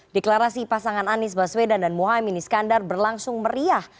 deklarasi pasangan anies baswedan dan muhaymin iskandar berlangsung meriah